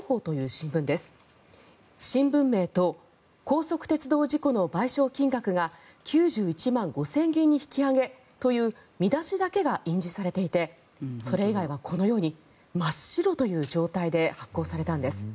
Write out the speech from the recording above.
新聞名と高速鉄道事故の賠償金額が９１万５０００元に引き上げという見出しだけが印字されていてそれ以外は、このように真っ白という状態で発行されたんです。